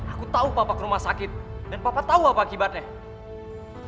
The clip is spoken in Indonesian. aku tahu bapak ke rumah sakit dan papa tahu apa akibatnya